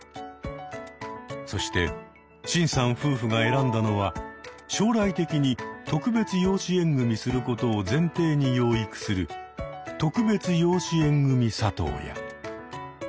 そしてシンさん夫婦が選んだのは将来的に特別養子縁組することを前提に養育する「特別養子縁組里親」。